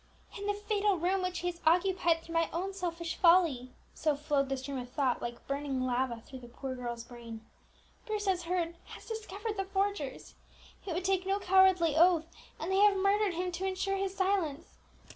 "In that fatal room which he has occupied through my own selfish folly," so flowed the stream of thought like burning lava through the poor girl's brain, "Bruce has heard has discovered the forgers. He would take no cowardly oath, and they have murdered him to ensure his silence.